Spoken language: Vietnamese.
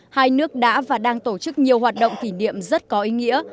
hai nước đã và đang tổ chức nhiều hoạt động kỷ niệm rất có ý nghĩa